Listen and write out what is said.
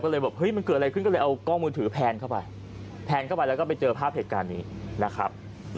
ก็เลยเอากล้องมือถือแพนเข้าไปแพนเข้าไปแล้วก็ไปเจอภาพเหตุการณ์นี้นะครับ